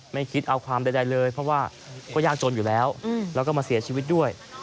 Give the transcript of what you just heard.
ไม่คิดเอาความใดเลยเพราะว่าก็ยากจนอยู่แล้วแล้วก็มาเสียชีวิตด้วย